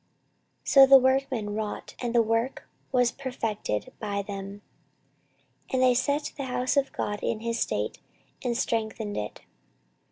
14:024:013 So the workmen wrought, and the work was perfected by them, and they set the house of God in his state, and strengthened it.